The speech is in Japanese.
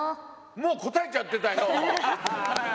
もう答えちゃってたよ。